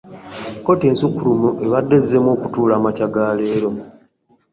Kkooti Ensukkulumu ebadde ezzeemu okutuula amakya ga leero